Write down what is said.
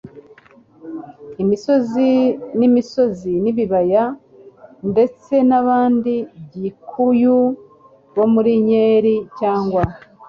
imisozi n'imisozi n'ibibaya. ndetse nabandi gikuyu bo muri nyeri cyangwa